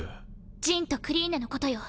ジンとクリーネのことよ。